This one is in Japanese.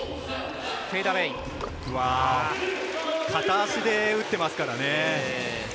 片足で打ってますからね。